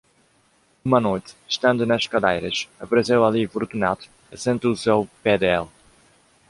Uma noite, estando nas cadeiras, apareceu ali Fortunato, e sentou-se ao pé dele.